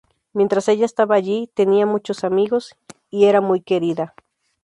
Mientras ella estaba allí, tenía muchos amigos, y era muy querida.